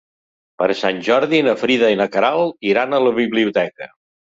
Per Sant Jordi na Frida i na Queralt iran a la biblioteca.